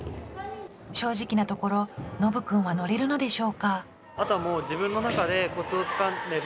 正直なところのぶ君は乗れるのでしょうか？